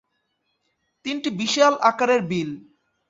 তিনটি বিশাল আকারের বিল।